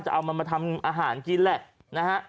จะเอามันมาทำอาหารกินแหละนะฮะ